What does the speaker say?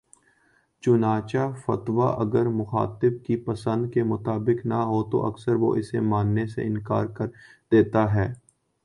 چنانچہ فتویٰ اگر مخاطب کی پسند کے مطابق نہ ہو تو اکثر وہ اسے ماننے سے انکار کر دیتا ہے